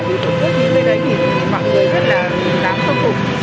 vì tổ chức như thế đấy thì mọi người rất là đáng khâm phục